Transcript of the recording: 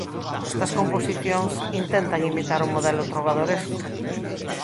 Estas composicións intentan imitar o modelo trobadoresco.